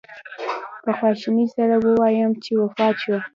په خواشینۍ سره ووایم چې وفات شو.